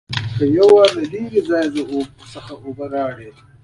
که یو ځل له لرې ځای څخه اوبه راوړې.